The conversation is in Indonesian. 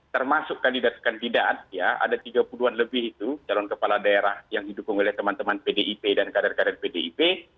termasuk kandidat kandidat ya ada tiga puluh an lebih itu calon kepala daerah yang didukung oleh teman teman pdip dan kader kader pdip